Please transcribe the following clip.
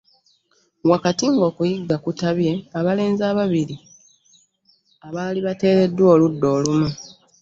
Wakati ng'okuyigga kutabye, abalenzi ababiri abaali bateereddwa oludda olumu